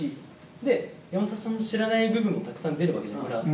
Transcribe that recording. で、山里さんの知らない部分もたくさん出るわけじゃない。